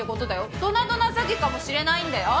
ドナドナ詐欺かもしれないんだよ！？